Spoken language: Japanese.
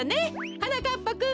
はなかっぱくん！